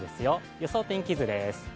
予想天気図です。